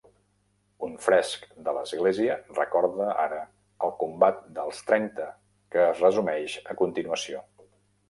Un fresc de l'església recorda ara el Combat dels Trenta que es resumeix a continuació.